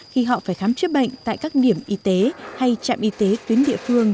khi họ phải khám chữa bệnh tại các điểm y tế hay trạm y tế tuyến địa phương